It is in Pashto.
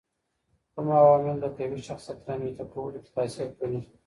کوم عوامل د قوي شخصيت رامنځته کولو کي تاثیر کوي؟